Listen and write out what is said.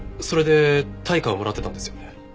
それで対価をもらってたんですよね？